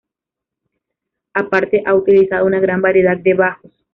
Aparte, ha utilizado una gran variedad de bajos.